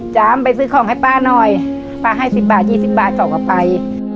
จำไปซื้อของให้ป๊าหน่อยป๊าให้สิบบาทยี่สิบบาทจอกออกไป